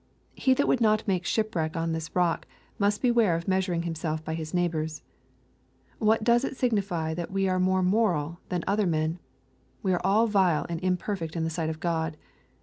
He that would not make shipwreck on this rock, must beware of measuring himself by his neighbors. What does it sig nify that we are more moral than " other men ?" We are all vile and imperfect in the sight of God.